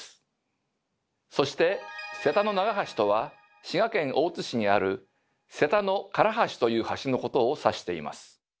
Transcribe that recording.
そして「瀬田の長はし」とは滋賀県大津市にある瀬田の唐橋という橋のことを指しています。